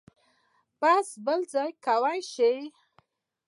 بحث بل ځای کې وشي.